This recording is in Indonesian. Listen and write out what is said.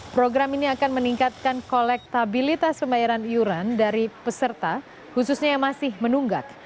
program ini akan meningkatkan kolektabilitas pembayaran iuran dari peserta khususnya yang masih menunggak